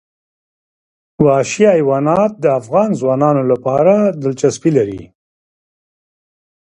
وحشي حیوانات د افغان ځوانانو لپاره دلچسپي لري.